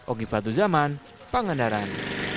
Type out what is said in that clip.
ogifat duzaman pangandaran